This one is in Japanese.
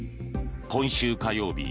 今週火曜日